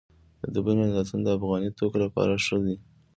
د دوبۍ نندارتون د افغاني توکو لپاره ښه دی